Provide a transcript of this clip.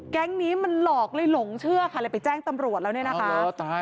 แก๊งนี้มันหลอกเลยหลงเชื่อค่ะเลยไปแจ้งตำรวจแล้วเนี่ยนะคะ